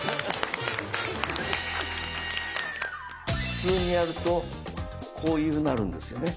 普通にやるとこういうふうになるんですよね。